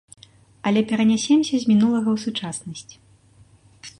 Але перанясемся з мінулага ў сучаснасць.